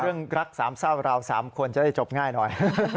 เรื่องรักสามเศร้าเรา๓คนจะได้จบง่ายหน่อย